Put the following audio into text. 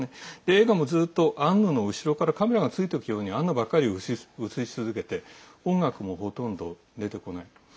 映画もずっとアンヌの後ろからカメラがついていくようにアンヌばかり映し続けて音楽もほとんど出てこない。